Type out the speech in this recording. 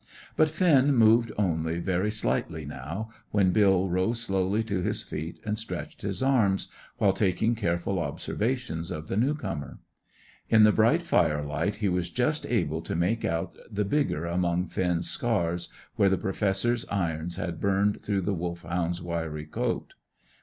But Finn moved only very slightly now, when Bill rose slowly to his feet and stretched his arms, while taking careful observations of the new comer. In the bright firelight, he was just able to make out the bigger among Finn's scars, where the Professor's iron had burned through the Wolfhound's wiry coat.